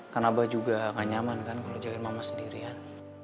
karena juga nyaman kan kalau jangan mama sendirian